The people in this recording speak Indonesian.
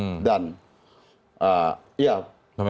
penyelidikan penyelidikan penuntutan